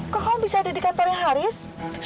kok kamu bisa ada di kantornya haris